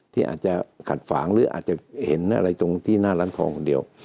ที่อาจจะขัดฝางหรืออาจจะเห็นอะไรตรงที่หน้าร้านทองคนเดียว